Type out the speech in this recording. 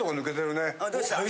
どうした？